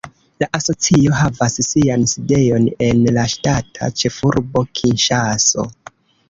La asocio havas sian sidejon en la ŝtata ĉefurbo Kinŝaso.